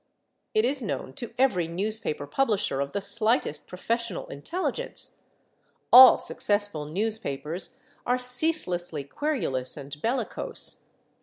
It is known to every newspaper publisher of the slightest professional intelligence; all successful newspapers are ceaselessly querulous and bellicose.